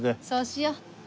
そうしよう。